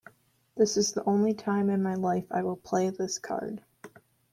This is the only time in my life I will play this card.